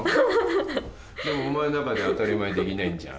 でもお前の中で当たり前にできないんじゃん。